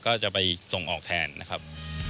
ก็จะไปส่งออกแทนนะครับ